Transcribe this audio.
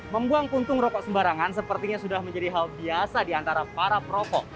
membuang puntung rokok sembarangan sepertinya sudah menjadi hal biasa di antara para perokok